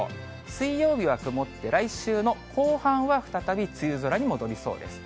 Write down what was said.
水曜日は曇って、来週の後半は再び梅雨空に戻りそうです。